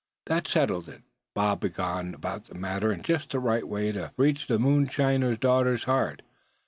That settled it. Bob had gone about the matter in just the right way to reach the moonshiner's daughter's heart.